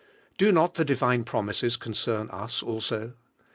Do not the divine premises concern us also?